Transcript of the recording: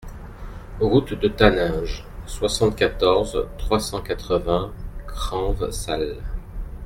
Route de Taninges, soixante-quatorze, trois cent quatre-vingts Cranves-Sales